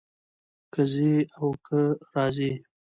کۀ ځي او کۀ راځي